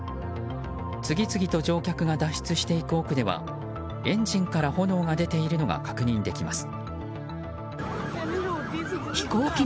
次々と乗客が脱出していく奥ではエンジンから炎が出ているのが確認できます。